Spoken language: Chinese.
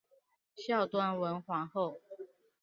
孝端文皇后。